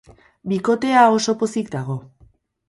Bikotea oso pozik dago.